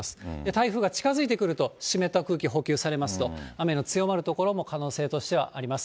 台風が近づいてくると、湿った空気補給されますと、雨の強まる所も可能性としてはあります。